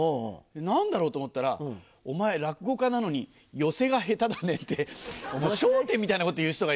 何だろうと思ったら「お前落語家なのにヨセが下手だね」って『笑点』みたいなこと言う人がいるんですよ。